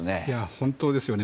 本当ですね。